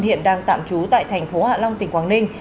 hiện đang tạm trú tại thành phố hạ long tỉnh quảng ninh